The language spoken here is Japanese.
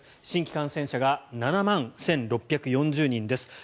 新規感染者が７万１６４０人です。